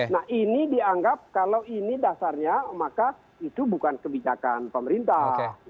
nah ini dianggap kalau ini dasarnya maka itu bukan kebijakan pemerintah